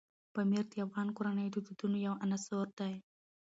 پامیر د افغان کورنیو د دودونو یو عنصر دی.